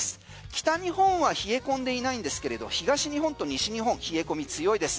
北日本は冷え込んでいないんですけれど東日本と西日本冷え込み、強いです。